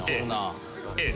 ええ。